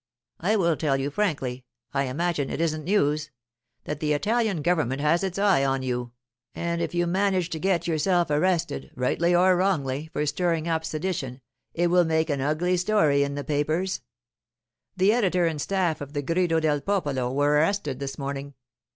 I will tell you frankly—I imagine it isn't news—that the Italian government has its eye on you; and if you manage to get yourself arrested, rightly or wrongly, for stirring up sedition, it will make an ugly story in the papers. The editor and staff of the Grido del Popolo were arrested this morning.